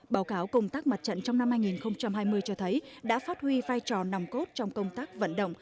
báo cáo công tác mặt trận trong năm hai nghìn hai mươi cho thấy đã phát huy vai trò nằm cốt trong công tác vận động